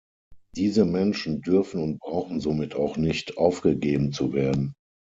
Diese Menschen dürfen und brauchen somit auch nicht aufgegeben zu werden.